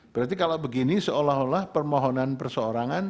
berarti kalau begini seolah olah permohonan perseorangan